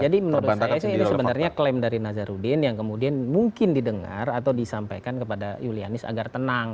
jadi menurut saya ini sebenarnya klaim dari nazarudin yang kemudian mungkin didengar atau disampaikan kepada yuliani agar tenang